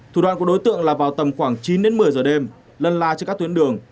thủ đoạn của đối tượng là vào tầm khoảng chín đến một mươi giờ đêm lân la trên các tuyến đường